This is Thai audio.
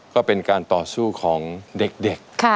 ก็เป็นการต่อสู้ของเด็ก